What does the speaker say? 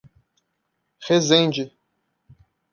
Resende